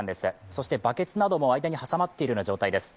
そしてバケツなども間に挟まっている状態です